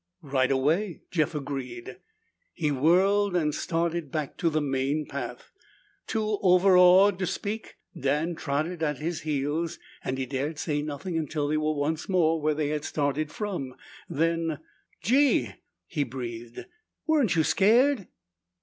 "Right away," Jeff agreed. He whirled and started back to the main path. Too over awed to speak, Dan trotted at his heels and he dared say nothing until they were once more where they had started from. Then, "Gee!" he breathed. "Weren't you scared?"